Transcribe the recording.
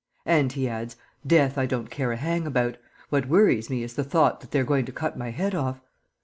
And he adds, 'Death I don't care a hang about! What worries me is the thought that they're going to cut my head off.